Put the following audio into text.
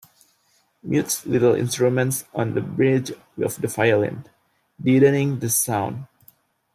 Mutes little instruments on the bridge of the violin, deadening the sound.